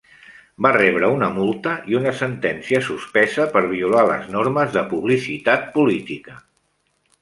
Va rebre una multa i una sentència suspesa per violar les normes de publicitat política.